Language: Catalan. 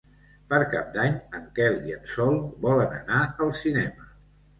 Per Cap d'Any en Quel i en Sol volen anar al cinema.